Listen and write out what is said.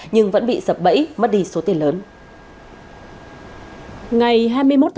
nhưng vẫn bị sập bẫy mất đi số tiền lớn